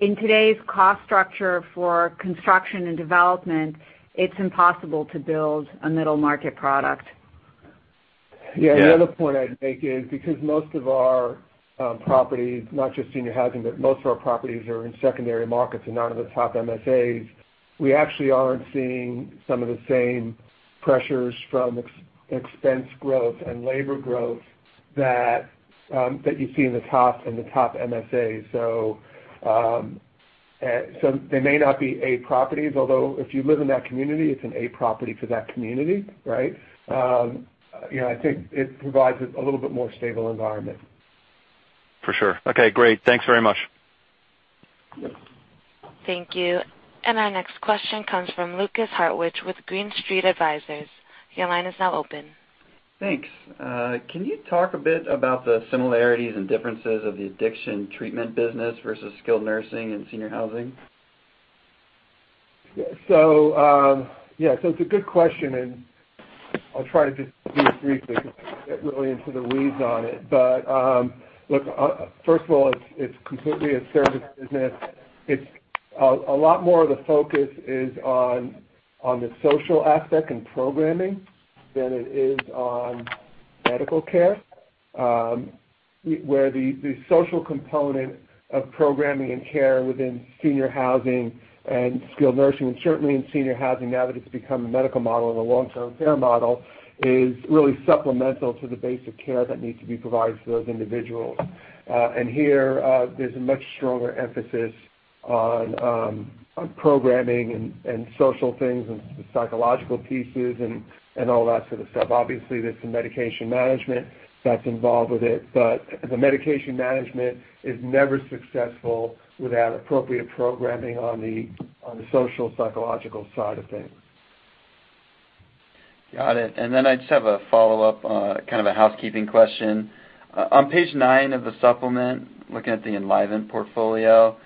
In today's cost structure for construction and development, it's impossible to build a middle-market product. The other point I'd make is because most of our properties, not just senior housing, but most of our properties are in secondary markets and not in the top MSAs, we actually aren't seeing some of the same pressures from expense growth and labor growth that you see in the top MSAs. They may not be A properties, although if you live in that community, it's an A property for that community, right? I think it provides a little bit more stable environment. For sure. Okay, great. Thanks very much. Thank you. Our next question comes from Lukas Hartwich with Green Street Advisors. Your line is now open. Thanks. Can you talk a bit about the similarities and differences of the addiction treatment business versus skilled nursing and senior housing? Yeah. It's a good question, and I'll try to just do it briefly, get really into the weeds on it. Look, first of all, it's completely a service business. A lot more of the focus is on the social aspect and programming than it is on medical care, where the social component of programming and care within senior housing and skilled nursing, and certainly in senior housing now that it's become a medical model and a long-term care model, is really supplemental to the basic care that needs to be provided to those individuals. Here, there's a much stronger emphasis on programming and social things and psychological pieces and all that sort of stuff. Obviously, there's some medication management that's involved with it. The medication management is never successful without appropriate programming on the social, psychological side of things. Got it. I just have a follow-up, kind of a housekeeping question. On page nine of the supplement, looking at the Enlivant portfolio,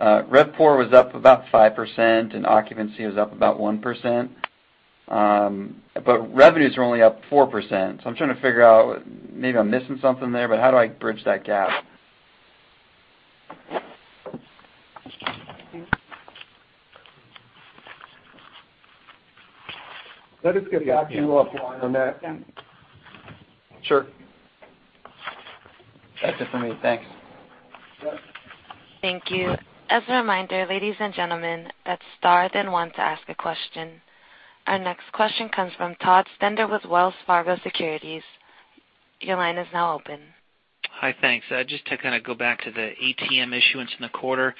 RevPOR was up about 5% and occupancy was up about 1%. Revenues were only up 4%. I'm trying to figure out, maybe I'm missing something there, but how do I bridge that gap? Let us get back to you offline on that. Sure. That's it for me. Thanks. Yes. Thank you. As a reminder, ladies and gentlemen, hit star then one to ask a question. Our next question comes from Todd Stender with Wells Fargo Securities. Your line is now open. Hi, thanks. Just to kind of go back to the ATM issuance in the quarter.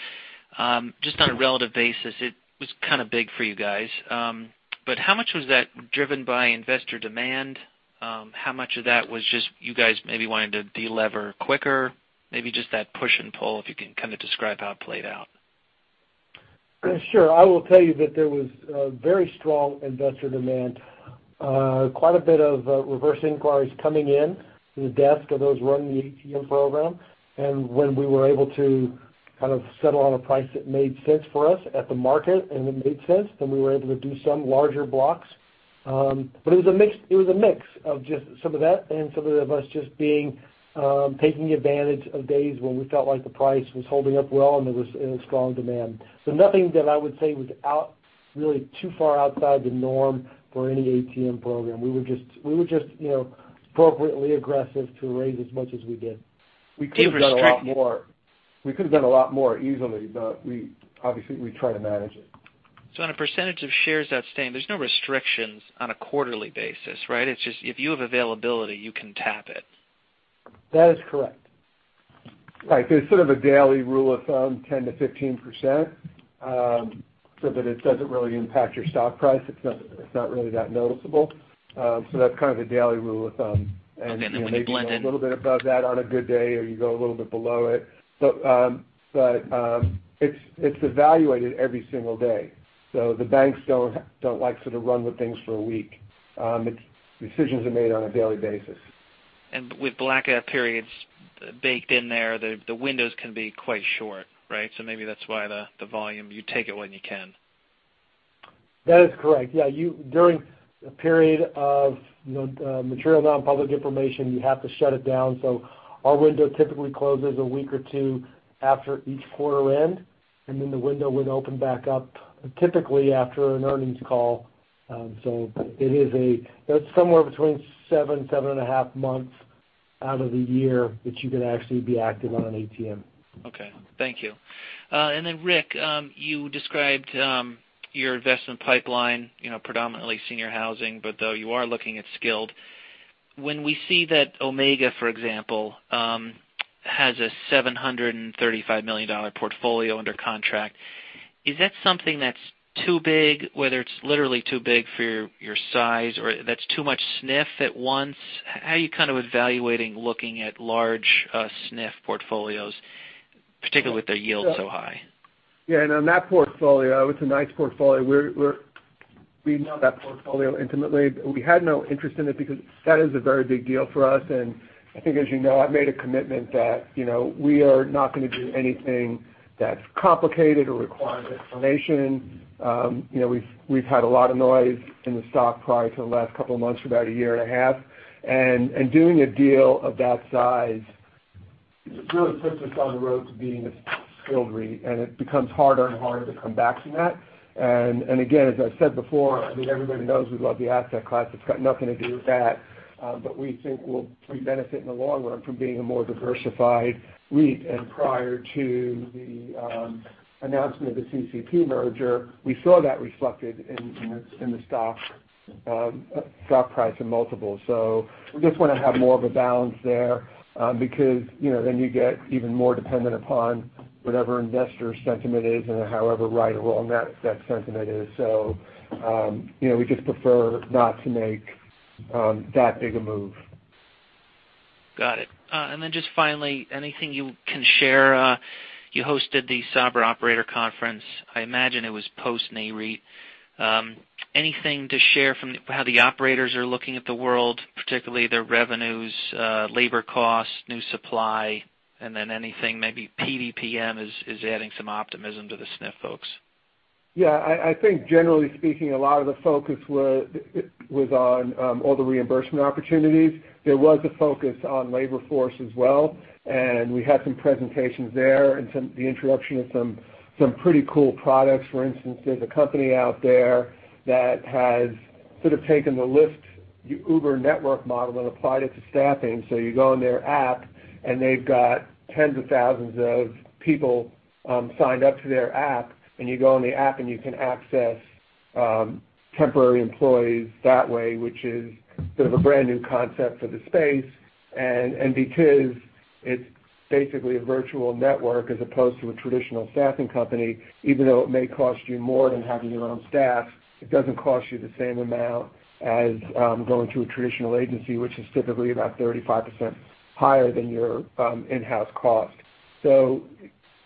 Just on a relative basis, it was kind of big for you guys. How much was that driven by investor demand? How much of that was just you guys maybe wanting to de-lever quicker? Maybe just that push and pull, if you can kind of describe how it played out. Sure. I will tell you that there was a very strong investor demand. Quite a bit of reverse inquiries coming in to the desk of those running the ATM program. When we were able to kind of settle on a price that made sense for us at the market, and it made sense, we were able to do some larger blocks. It was a mix of just some of that and some of it of us just taking advantage of days when we felt like the price was holding up well, and there was strong demand. Nothing that I would say was really too far outside the norm for any ATM program. We were just appropriately aggressive to raise as much as we did. We could've done a lot more easily, but obviously, we try to manage it. On a % of shares outstanding, there's no restrictions on a quarterly basis, right? It's just if you have availability, you can tap it. That is correct. Right. There's sort of a daily rule of thumb, 10%-15%, so that it doesn't really impact your stock price. It's not really that noticeable. That's kind of the daily rule of thumb. Okay. Then when you blend in You can go a little bit above that on a good day, or you go a little bit below it. It's evaluated every single day. The banks don't like sort of run with things for a week. Decisions are made on a daily basis. With blackout periods baked in there, the windows can be quite short, right? Maybe that's why the volume, you take it when you can. That is correct. Yeah. During a period of material non-public information, you have to shut it down. Our window typically closes one or two weeks after each quarter end, and then the window would open back up typically after an earnings call. It's somewhere between seven and a half months out of the year that you can actually be active on an ATM. Okay. Thank you. Rick, you described your investment pipeline predominantly senior housing, but though you are looking at skilled. When we see that Omega, for example, has a $735 million portfolio under contract, is that something that's too big, whether it's literally too big for your size, or that's too much SNF at once? How are you kind of evaluating looking at large SNF portfolios, particularly with their yields so high? Yeah, on that portfolio, it's a nice portfolio. We know that portfolio intimately, but we had no interest in it because that is a very big deal for us. I think, as you know, I've made a commitment that we are not going to do anything that's complicated or requires explanation. We've had a lot of noise in the stock price for the last couple of months, for about a year and a half. Doing a deal of that size really puts us on the road to being a skilled REIT, and it becomes harder and harder to come back from that. Again, as I've said before, I think everybody knows we love the asset class. It's got nothing to do with that. But we think we'll benefit in the long run from being a more diversified REIT. Prior to the announcement of the CCP merger, we saw that reflected in the stock price and multiple. We just want to have more of a balance there, because then you get even more dependent upon whatever investor sentiment is and however right or wrong that sentiment is. We just prefer not to make that big a move. Got it. Just finally, anything you can share, you hosted the Sabra Operator Conference? I imagine it was post Nareit. Anything to share from how the operators are looking at the world, particularly their revenues, labor costs, new supply, and then anything maybe PDPM is adding some optimism to the SNF folks? Yeah, I think generally speaking, a lot of the focus was on all the reimbursement opportunities. There was a focus on labor force as well, and we had some presentations there and the introduction of some pretty cool products. For instance, there's a company out there that has sort of taken the Lyft Uber network model and applied it to staffing. You go on their app, they've got tens of thousands of people signed up to their app, you go on the app, you can access temporary employees that way, which is sort of a brand new concept for the space, because it's basically a virtual network as opposed to a traditional staffing company, even though it may cost you more than having your own staff, it doesn't cost you the same amount as going through a traditional agency, which is typically about 35% higher than your in-house cost. There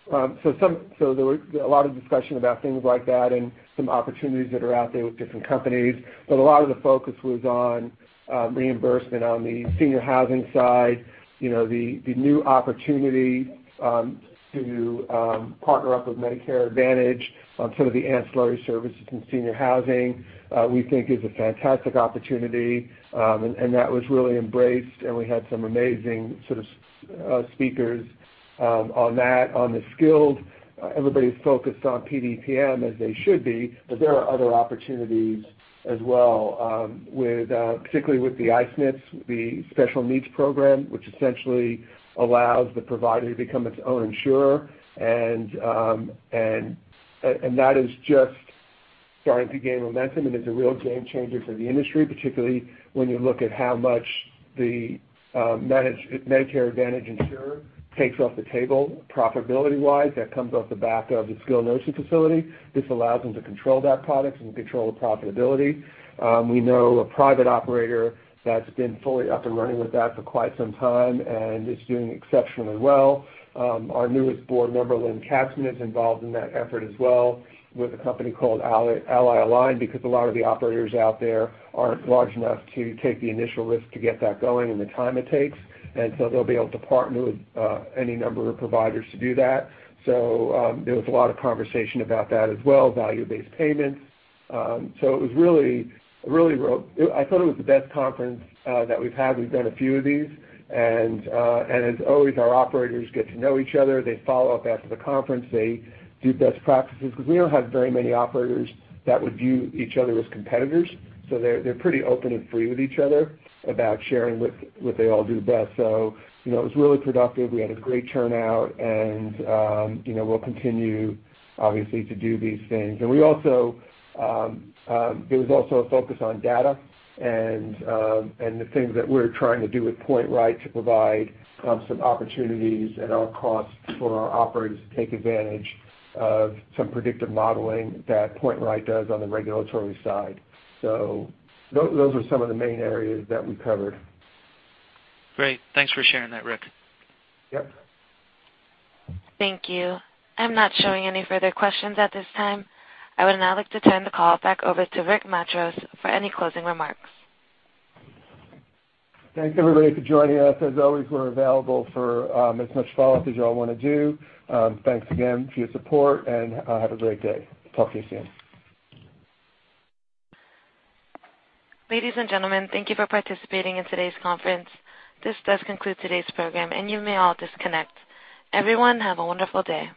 was a lot of discussion about things like that and some opportunities that are out there with different companies, but a lot of the focus was on reimbursement on the senior housing side. The new opportunity to partner up with Medicare Advantage on some of the ancillary services in senior housing, we think is a fantastic opportunity, and that was really embraced, and we had some amazing sort of speakers on that. On the skilled, everybody's focused on PDPM, as they should be, but there are other opportunities as well, particularly with the I-SNPs, the special needs program, which essentially allows the provider to become its own insurer, and that is just starting to gain momentum and is a real game changer for the industry, particularly when you look at how much the Medicare Advantage insurer takes off the table profitability-wise. That comes off the back of the skilled nursing facility. This allows them to control that product and control the profitability. We know a private operator that's been fully up and running with that for quite some time, and it's doing exceptionally well. Our newest board member, Lynn Chapman, is involved in that effort as well with a company called AllyAlign, because a lot of the operators out there aren't large enough to take the initial risk to get that going and the time it takes. They'll be able to partner with any number of providers to do that. There was a lot of conversation about that as well, value-based payments. I thought it was the best conference that we've had. We've done a few of these, and as always, our operators get to know each other. They follow up after the conference, they do best practices, because we don't have very many operators that would view each other as competitors, so they're pretty open and free with each other about sharing what they all do best. It was really productive. We had a great turnout and we'll continue, obviously, to do these things. There was also a focus on data and the things that we're trying to do with PointRight to provide some opportunities at our cost for our operators to take advantage of some predictive modeling that PointRight does on the regulatory side. Those are some of the main areas that we covered. Great. Thanks for sharing that, Rick. Yep. Thank you. I'm not showing any further questions at this time. I would now like to turn the call back over to Rick Matros for any closing remarks. Thanks, everybody, for joining us. As always, we're available for as much follow-up as you all want to do. Thanks again for your support, and have a great day. Talk to you soon. Ladies and gentlemen, thank you for participating in today's conference. This does conclude today's program, and you may all disconnect. Everyone, have a wonderful day.